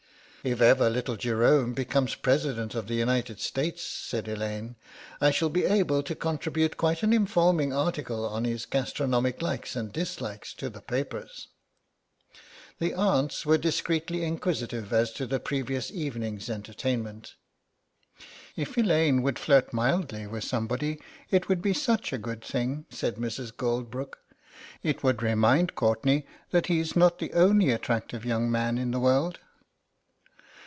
"If ever little Jerome becomes President of the United States," said Elaine, "I shall be able to contribute quite an informing article on his gastronomic likes and dislikes to the papers." The aunts were discreetly inquisitive as to the previous evening's entertainment. "If Elaine would flirt mildly with somebody it would be such a good thing," said Mrs. Goldbrook; "it would remind Courtenay that he's not the only attractive young man in the world."